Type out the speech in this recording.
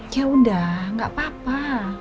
ya udah gak apa apa